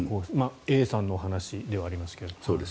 Ａさんのお話ではありますが。